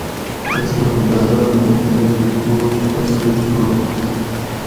تساں باۤراۤ مئ اۤ لکوٹ قصہ چونڑنت